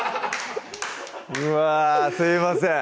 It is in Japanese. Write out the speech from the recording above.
うわぁすいません